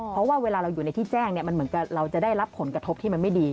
เพราะว่าเวลาเราอยู่ในที่แจ้งมันเหมือนกับเราจะได้รับผลกระทบที่มันไม่ดี